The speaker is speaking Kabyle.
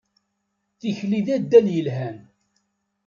Tikli d addal yelhan.